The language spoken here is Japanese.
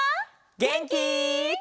げんき？